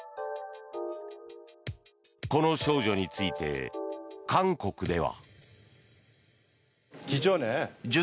この少女について韓国では。